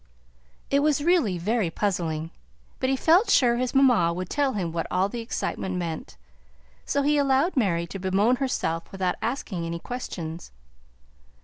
It was really very puzzling, but he felt sure his mamma would tell him what all the excitement meant, so he allowed Mary to bemoan herself without asking many questions.